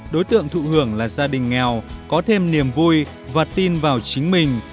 đối tượng thụ hưởng là gia đình nghèo có thêm niềm vui và tin vào chính mình